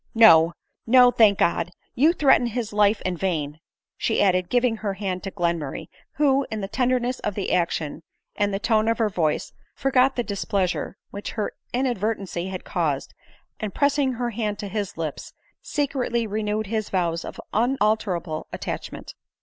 No, no, thank God ! you threaten his life in vain," she added, giving her hand to Glenmurray ; who, in the tenderness of the action and the tone of her voice, forgot the dis pleasure which her inadvertancy had caused, and press ing her hand to his lips, secretly renewed his vows of un alterable attachment.